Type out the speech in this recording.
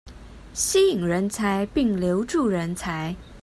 吸引人才並留住人才